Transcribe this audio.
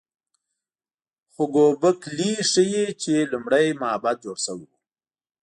خو ګوبک لي ښيي چې لومړی معبد جوړ شوی و.